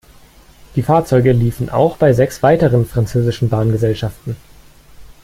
Die Fahrzeuge liefen auch bei sechs weiteren französischen Bahngesellschaften.